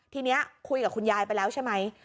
ทีนี้คุยกับคุณยายไปแล้วใช่ไหม